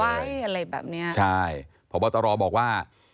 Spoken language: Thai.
เตรียมกันไว้อะไรแบบเนี่ยใช่เพราะว่าตรอบอกว่า